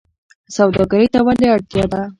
سوداګرۍ ته ولې اړتیا ده؟